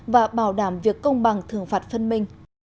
và bảo đảm việc công bằng thường phạt phân minh